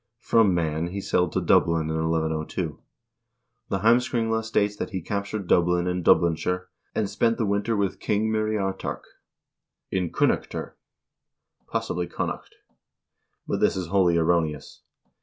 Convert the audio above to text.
From Man he sailed to Dublin in 1102. The " Heimskringla " states that he captured Dublin and Dublinshire, and spent the winter with King Myriartak (Muirchertach) in Kunnakter (possibly Connaught), but this is wholly erroneous.